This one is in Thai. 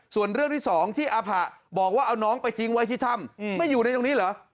ส่วนเรื่องที่สองที่อาผะบอกว่าเอาน้องไปทิ้งไว้ที่ถ้ำไม่อยู่ในตรงนี้เหรอ